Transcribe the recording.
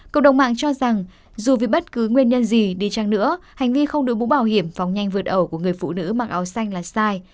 cộng đồng mạng cho rằng dù vì bất cứ nguyên nhân gì đi chăng nữa hành vi không đối mũ bảo hiểm phóng nhanh vượt ẩu của người phụ nữ mang áo xanh là sai